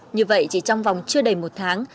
như vậy chỉ trong vòng chưa đầy một tháng